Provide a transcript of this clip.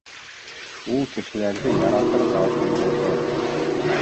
Ул кешеләрҙе яратырға өйрәтә